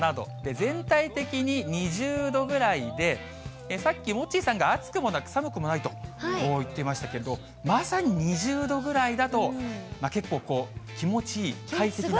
全体的に２０度ぐらいで、さっきモッチーさんが、暑くもなく寒くもないと言っていましたけど、まさに２０度ぐらいだと、結構、こう気持ちいい、快適な。